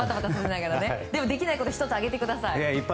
できないこと１つ挙げてください。